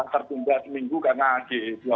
terpimpin di minggu karena ge dua puluh